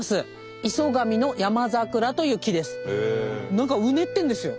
何かうねってるんですよ。